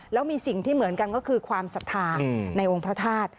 แล้วมีสิ่งที่เหมือนกันก็คือความศรัทธาในองค์พระธาตุ